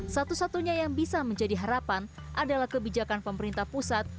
satu satunya yang bisa menjadi harapan adalah kebijakan pemerintah pusat